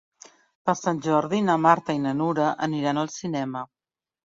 Per Sant Jordi na Marta i na Nura aniran al cinema.